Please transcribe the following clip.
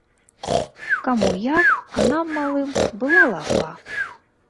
Каму як, а нам, малым, была лафа.